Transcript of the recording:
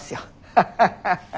ハハハハ！